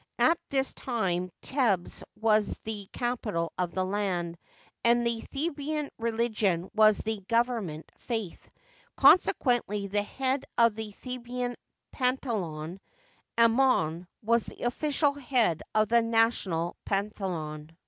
At this time Thebes was the capital of the land, and the Theban religion was the gov ernment faith; conseauently, the head of the Theban pantheon, Amon, was the official head of the national pan theon.